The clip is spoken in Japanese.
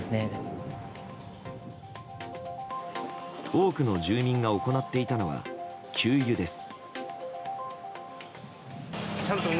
多くの住民が行っていたのは給油です。